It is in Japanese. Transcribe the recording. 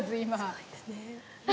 すごいですね。